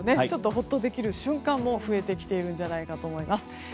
ちょっとほっとできる瞬間も増えてきているんじゃないかと思います。